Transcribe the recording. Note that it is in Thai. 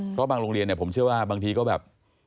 เพราะบางโรงเรียนเนี่ยผมเชื่อว่าบางทีก็แบบ